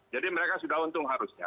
jadi mereka sudah untung harusnya